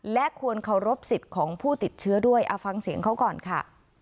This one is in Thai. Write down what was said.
และควรเคารพสิทธิ์ของผู้ติดเชื้อด้วยเอาฟังเสียงเขาก่อนค่ะ